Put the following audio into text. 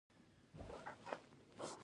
د یوازېني مدیریت په اډانه کې عایدات ډېر دي